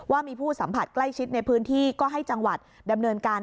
ว่ามีผู้สัมผัสใกล้ชิดในพื้นที่ก็ให้จังหวัดดำเนินการ